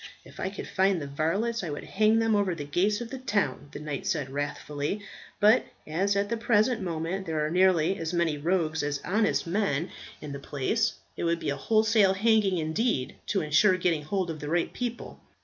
"If I could find the varlets, I would hang them over the gates of the town," the knight said wrathfully. "But as at the present moment there are nearly as many rogues as honest men in the place, it would be a wholesale hanging indeed to ensure getting hold of the right people.